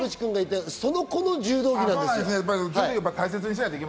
その子の柔道着なんです。